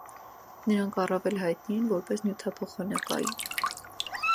Նրանք առավել հայտնի են, որպես նյութափոխանակույուն։